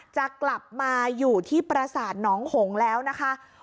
จะกลับมาอยู่ที่ประสาทหนองหงแล้วนะคะ